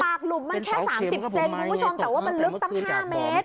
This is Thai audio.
หลุมมันแค่๓๐เซนคุณผู้ชมแต่ว่ามันลึกตั้ง๕เมตร